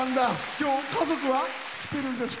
今日、家族は来てるんですか？